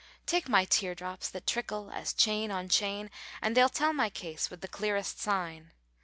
[FN#435] Take my tear drops that trickle as chain on chain * And they'll tell my case with the clearest sign.